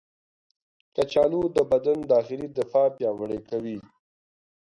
کچالو د بدن داخلي دفاع پیاوړې کوي.